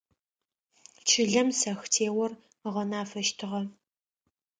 Чылэм сэхтеор ыгъэнафэщтыгъэ.